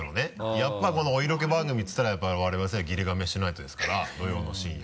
やっぱこのお色気番組っていったらやっぱ我々世代は「ギルガメッシュないと」ですから土曜の深夜。